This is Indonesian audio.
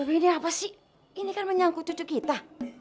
ini apa sih ini kan menyangkut cucu kita